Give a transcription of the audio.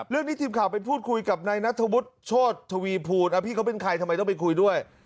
เรื่องนี้ทีมข่าวไปพูดคุยกับในนัทวุฒิโชชวีพูดพี่เขาเป็นใครทำไมต้องไปคุยด้วย